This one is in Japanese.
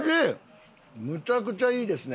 むちゃくちゃいいですね